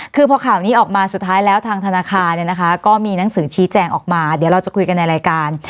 คือพอข่าวนี้ออกมาสุดท้ายแล้วทางธนาคารเนี่ยนะคะก็มีหนังสือชี้แจงออกมาเดี๋ยวเราจะคุยกันในรายการ